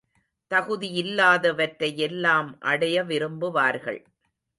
தகுதியில்லாதவற்றையெல்லாம் அடைய விரும்புவார்கள்.